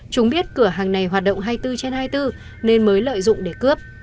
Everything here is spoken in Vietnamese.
chúng biết cửa hàng này hoạt động hai mươi bốn trên hai mươi bốn nên mới lợi dụng để cướp